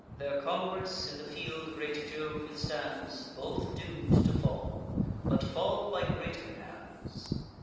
Their congress in the field great Jove withstands: Both doom'd to fall, but fall by greater hands.